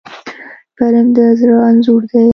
فلم د زړه انځور دی